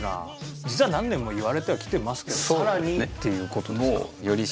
実は何年も言われてはきてますけどさらにっていう事ですか？